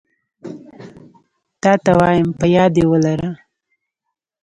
تاته وايم په ياد يي ولره